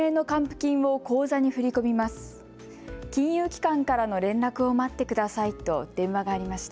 金融機関からの連絡を待ってくださいと電話がありました。